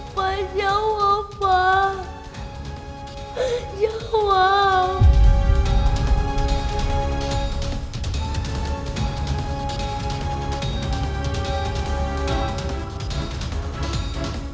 pa jawab pa jawab